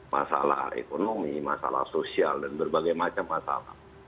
masalah ekonomi masalah sosial dan berbagai macam masalah